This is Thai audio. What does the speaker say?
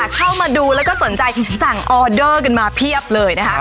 เข้ามาดูแล้วก็สนใจสั่งออเดอร์กันมาเพียบเลยนะคะ